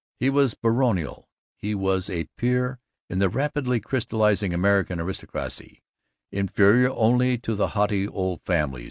He was baronial; he was a peer in the rapidly crystallizing American aristocracy, inferior only to the haughty Old Families.